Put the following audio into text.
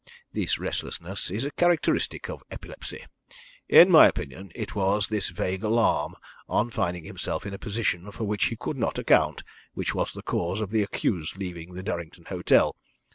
This restlessness is a characteristic of epilepsy. In my opinion, it was this vague alarm, on finding himself in a position for which he could not account, which was the cause of the accused leaving the Durrington hotel.